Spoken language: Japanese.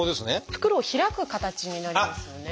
袋を開く形になりますよね。